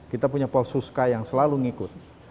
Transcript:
kita punya polsuska yang selalu ngikut